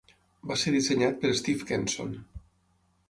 Va ser dissenyat per Steve Kenson.